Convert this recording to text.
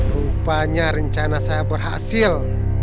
rupanya rencana saya berhasil